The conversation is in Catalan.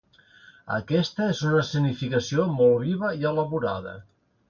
Aquesta és una escenificació molt viva i elaborada.